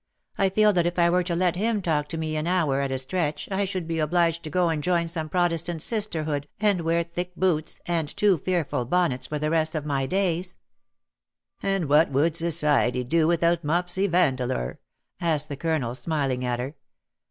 I feel that if I were to let him talk to me an hour at a stretch I should be obliged to go and join some Protestant sisterhood and wear thick boots and too fearful bonnets for the rest of my days/^ "And what would society do without Mopsy Vandeleur?" asked the Colonel^ smiling at her.